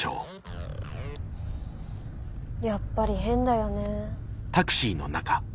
やっぱり変だよね。